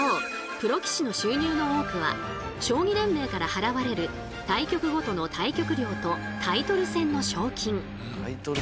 プロ棋士の収入の多くは将棋連盟から払われる対局ごとの対局料とタイトル戦の賞金。